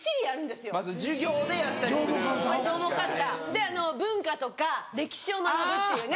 で文化とか歴史を学ぶっていうね。